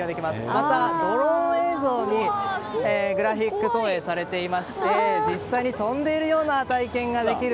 またドローン映像にグラフィック投影されていまして実際に飛んでいるような体験ができる。